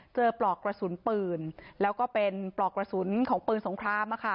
ปลอกกระสุนปืนแล้วก็เป็นปลอกกระสุนของปืนสงคราม